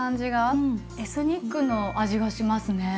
エスニックの味がしますね。